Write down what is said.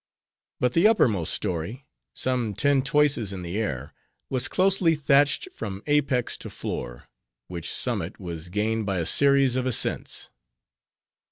But the uppermost story, some ten toises in the air, was closely thatched from apex to floor; which summit was gained by a series of ascents.